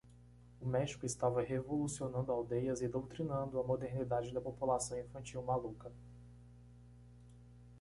O México estava revolucionando aldeias e doutrinando a modernidade da população infantil maluca.